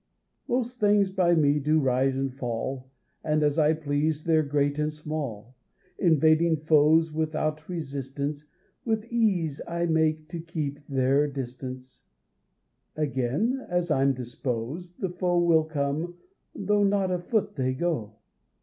Most things by me do rise and fall, And, as I please, they're great and small; Invading foes without resistance, With ease I make to keep their distance: Again, as I'm disposed, the foe Will come, though not a foot they go.